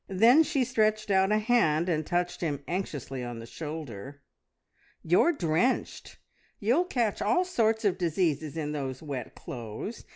Then she stretched out a hand, and touched him anxiously on the shoulder. "You're drenched! You'll catch all sorts of diseases in those wet clothes.